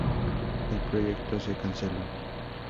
El proyecto se canceló.